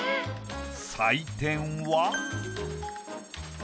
採点は。